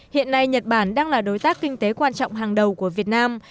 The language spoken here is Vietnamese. hiện nay nhật bản đang là đối tác kinh tế quan trọng hàng đầu của việt nam